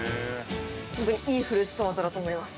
本当にいいフルーツトマトだと思います。